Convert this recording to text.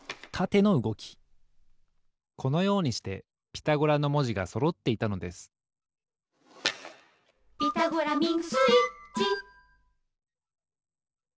このようにしてピタゴラのもじがそろっていたのです「ピタゴラミングスイッチ」